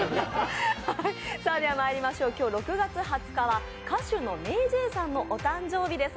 今日６月２０日は歌手のＭａｙＪ．さんのお誕生日です。